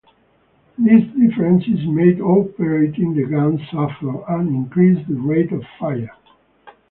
These differences made operating the guns safer and increased the rate of fire.